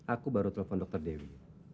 aku baru telepon dokter dewi